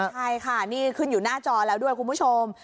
ใช่ค่ะนี่ขึ้นอยู่หน้าจอแล้วด้วยคุณผู้ชม